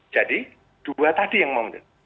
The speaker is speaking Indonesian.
jadi dua tadi yang mau mendatang